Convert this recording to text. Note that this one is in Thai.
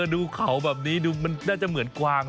ดูเขาแบบนี้ดูมันน่าจะเหมือนกวาง